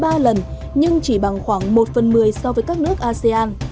đã tăng lên ba lần nhưng chỉ bằng khoảng một phần một mươi so với các nước asean